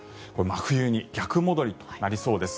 真冬に逆戻りとなりそうです。